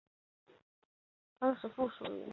当时附属于美国圣塔安娜的国际青年协会。